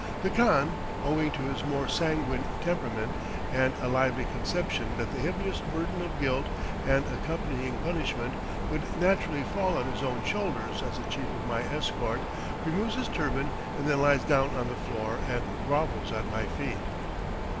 The khan, owing to his more sanguine temperament, and a lively conception that the heaviest burden of guilt and accompanying punishment would naturally fall on his own shoulders as the chief of my escort, removes his turban and then lies down on the floor and grovels at my feet.